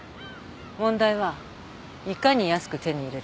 問題はいかに安く手に入れるか。